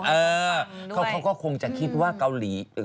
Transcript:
เออเขาก็คงจะคิดว่าเกาหลี